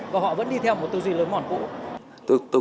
và họ vẫn đi theo một tư duy lớn mòn cũ